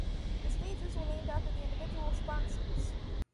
The stages were named after the individual sponsors.